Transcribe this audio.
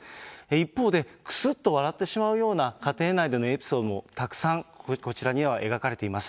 一方で、くすっと笑ってしまうような家庭内でのエピソードもたくさんこちらには描かれています。